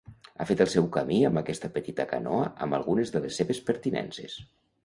Ha fet el seu camí amb aquesta petita canoa amb algunes de les seves pertinences.